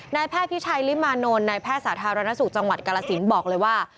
นายแพทย์พิชัยลิมานนท์นายแพทย์สาธารณสุขจังหวัดกาลสินบอกเลยว่า